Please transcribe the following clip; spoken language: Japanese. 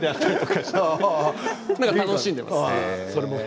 楽しんでます。